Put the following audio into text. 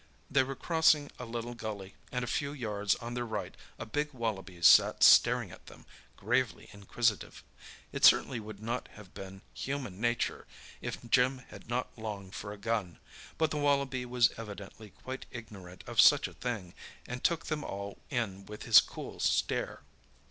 They were crossing a little gully, and a few yards on their right a big wallaby sat staring at them, gravely inquisitive. It certainly would not have been human nature if Jim had not longed for a gun; but the wallaby was evidently quite ignorant of such a thing, and took them all in with his cool stare.